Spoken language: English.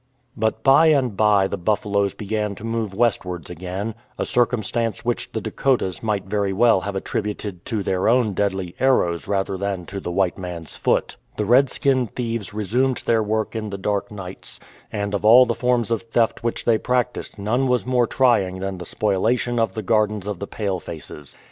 But by and by the buffaloes began to move westwards again — a circumstance which the Dakotas might very well have attributed to their own deadly arrows rather than to the white man's foot. The redskin thieves re sumed their work in the dark nights ; and of all the forms of theft which they practised none was more trying than the spoliation of the gardens of the palefaces.